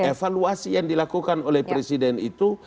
evaluasi yang dilakukan oleh presiden itu